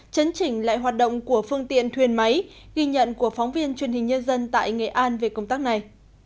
chấn chỉnh lại hoạt động của phương tiện thuyền máy ghi nhận của phóng viên truyền hình nhân dân tại nghệ an về công tác này